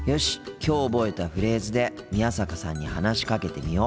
きょう覚えたフレーズで宮坂さんに話しかけてみよう。